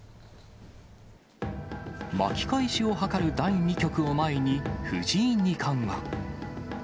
巻き返しを図る第２局を前に、藤井二冠は。